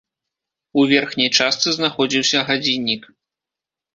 У верхняй частцы знаходзіўся гадзіннік.